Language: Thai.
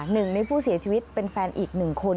หนึ่งในผู้เสียชีวิตเป็นแฟนอีกหนึ่งคน